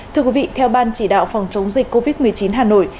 thưa quý vị theo ban chỉ đạo phòng chống dịch covid một mươi chín hà nội